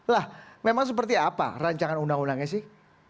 lah memang seperti apa rancangan undang undangnya sih